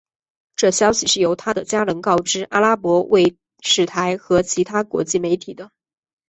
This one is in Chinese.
这消息是由他的家人告知阿拉伯卫视台和其他国际媒体的。